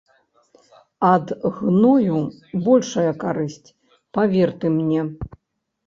Ад гною большая карысць, павер ты мне.